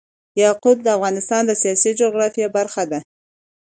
یاقوت د افغانستان د سیاسي جغرافیه برخه ده.